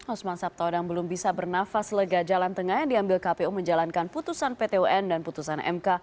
osman sabtaodang belum bisa bernafas lega jalan tengah yang diambil kpu menjalankan putusan pt un dan putusan mk